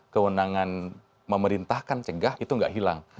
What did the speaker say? keundangan memerintahkan cegah itu tidak hilang